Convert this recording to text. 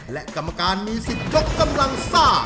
และกรรมการมีสิทธิ์ยกกำลังซ่า